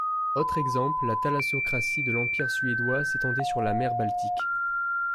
Autre exemple, la thalassocratie de l'Empire suédois s'étendait sur la mer Baltique.